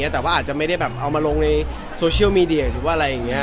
แต่ว่าไม่ได้มาบีบบรูซต์เมดียา